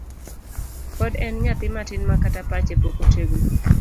Pod en nyathi matin makata pache pok otegno.